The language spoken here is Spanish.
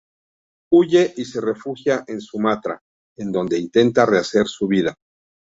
Huye y se refugia en Sumatra, en donde intenta rehacer su vida.